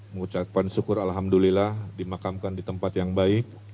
mengucapkan syukur alhamdulillah dimakamkan di tempat yang baik